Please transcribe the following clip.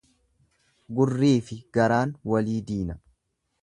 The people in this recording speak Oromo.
Gurriifi garaan walii diina.